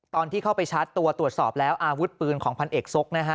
ตอนที่เข้าไปชาร์จตัวตรวจสอบแล้วอาวุธปืนของพันเอกซกนะฮะ